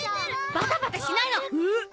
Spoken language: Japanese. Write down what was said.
バタバタしないの！